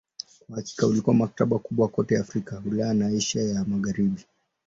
Kwa hakika ilikuwa maktaba kubwa kote Afrika, Ulaya na Asia ya Magharibi.